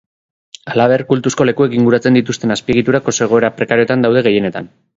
Halaber, kultuzko lekuek inguratzen dituzten azpiegiturak oso egoera prekarioetan daude gehienetan.